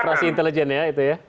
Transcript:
operasi intelijen ya itu ya